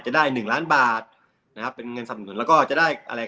จะได้๑ล้านบาทนะครับเป็นเงินสรรทุนแล้วก็จะได้อะไร